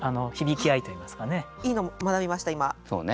いいの学びました今。